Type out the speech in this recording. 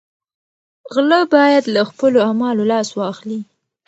غله باید له خپلو اعمالو لاس واخلي.